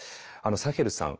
サヘルさん